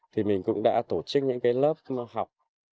thì mình cũng đã tổ chức những cái lớp học